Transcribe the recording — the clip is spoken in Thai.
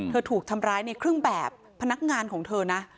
ถูกทำร้ายในเครื่องแบบพนักงานของเธอนะ